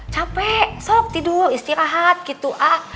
capek sok tidur istirahat gitu a